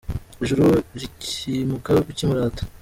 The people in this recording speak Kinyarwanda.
Ijuru rikimuka ukimurata.